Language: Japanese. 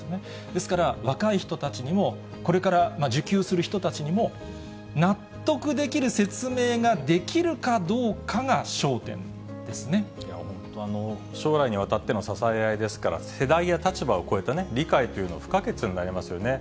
ですから、若い人たちにも、これから受給する人たちにも納得できる説明ができるかどうかが焦将来にわたっての支え合いですから、世代や立場を超えた理解というのは不可欠になりますよね。